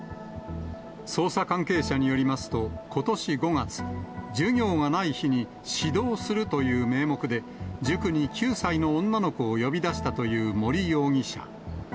捜査関係者によりますと、ことし５月、授業がない日に、指導するという名目で塾に９歳の女の子を呼び出したという森容疑者。